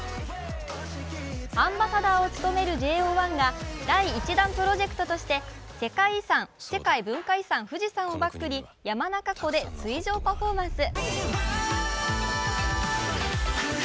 アンバサダーを務めるＪＯ１が第１弾プロジェクトとして世界文化遺産、富士山をバックに山中湖で水上パフォーマンス。